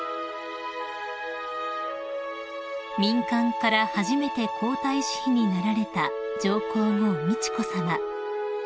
［民間から初めて皇太子妃になられた上皇后美智子さま］